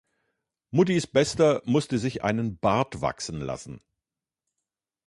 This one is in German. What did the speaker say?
Muttis Bester musste sich einen Bart wachsen lassen.